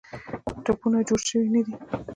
ټپونه جوړ سوي نه دي.